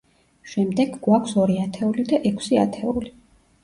შემდეგ, გვაქვს ორი ათეული და ექვსი ათეული.